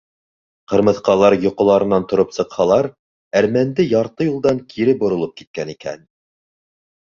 Ҡырмыҫҡалар йоҡоларынан тороп сыҡһалар, әрмәнде ярты юлдан кире боролоп киткән икән.